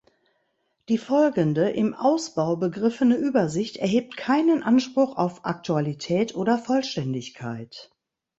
Die folgende im Ausbau begriffene Übersicht erhebt keinen Anspruch auf Aktualität oder Vollständigkeit.